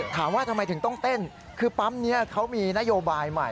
ถามว่าทำไมถึงต้องเต้นคือปั๊มนี้เขามีนโยบายใหม่